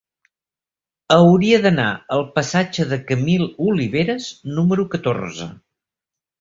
Hauria d'anar al passatge de Camil Oliveras número catorze.